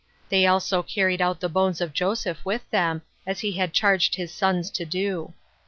They also carried out the bones of Joesph with them, as he had charged his sons to do.